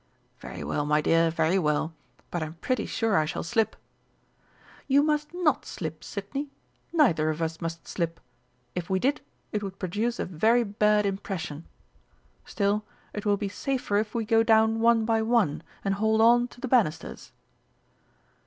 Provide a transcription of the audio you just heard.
"Very well, my dear, very well. But I'm pretty sure I shall slip." "You must not slip, Sidney! Neither of us must slip. If we did, it would produce a very bad impression. Still, it will be safer if we go down one by one, and hold on to the banisters."